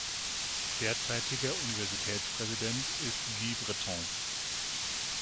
Derzeitiger Universitätspräsident ist Guy Breton.